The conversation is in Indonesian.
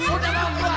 udah mau gua